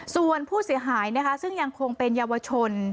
ส่วนผู้เสียหายนะคะซึ่งยังคงเป็นเยาวชน